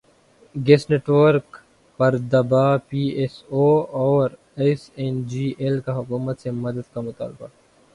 gas network پر دبا P S O اور ایس این جی ایل کا حکومت سے مدد کا مطالبہ